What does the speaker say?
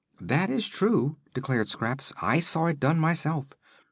"That is true," declared Scraps; "I saw it done myself.